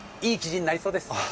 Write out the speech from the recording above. いい記事になりそうです。